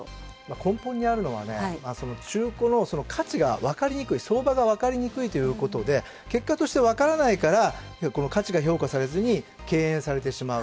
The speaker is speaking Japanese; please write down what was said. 根本にあるのは、中古の価値が分かりにくい、相場が分かりにくいということで結果として分からないから、価値が評価されずに敬遠されてしまう。